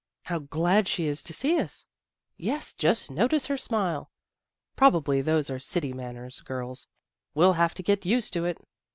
" How glad she is to see us! "" Yes, just notice her smile." " Probably those are city manners, girls. We'll have to get used to it."